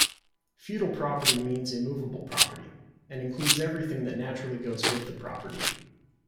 Feudal property means immovable property, and includes everything that naturally goes with the property.